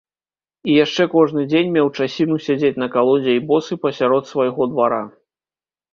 І яшчэ кожны дзень меў часіну сядзець на калодзе і босы пасярод свайго двара.